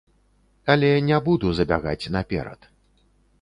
Але не буду забягаць наперад.